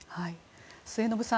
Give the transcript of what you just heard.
末延さん